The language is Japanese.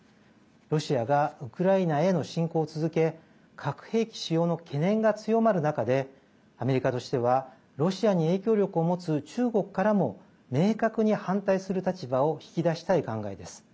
ロシアがウクライナへの侵攻を続け核兵器使用の懸念が強まる中でアメリカとしてはロシアに影響力を持つ中国からも明確に反対する立場を引き出したい考えです。